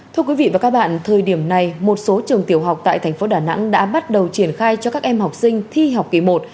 thưa quý vị và các bạn thời điểm này một số trường tiểu học tại thành phố đà nẵng đã bắt đầu triển khai cho các em học sinh thi học kỳ một